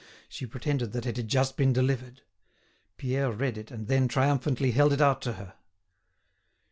She pretended that it had just been delivered. Pierre read it and then triumphantly held it out to her.